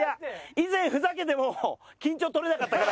以前ふざけても緊張とれなかったから。